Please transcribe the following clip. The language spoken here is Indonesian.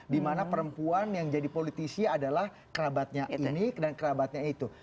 dimana perempuan yang jadi politisi adalah kerabatnya ini dan kerabatnya itu